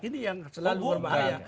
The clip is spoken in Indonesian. ini yang selalu berbahaya